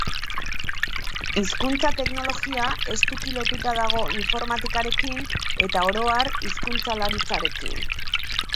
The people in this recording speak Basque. Hizkuntza-teknologia estuki lotuta dago informatikarekin eta, oro har, hizkuntzalaritzarekin.